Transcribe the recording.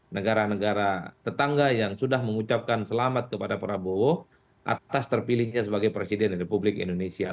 negara negara tetangga yang sudah mengucapkan selamat kepada prabowo atas terpilihnya sebagai presiden republik indonesia